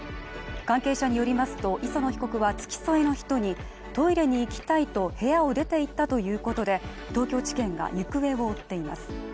関係者によりますと磯野被告は付き添いの人にトイレに行きたいと部屋を出ていったということで東京地検が行方を追っています。